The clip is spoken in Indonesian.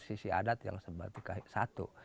sisi adat yang satu